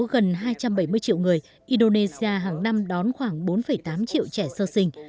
gần hai trăm bảy mươi triệu người indonesia hàng năm đón khoảng bốn tám triệu trẻ sơ sinh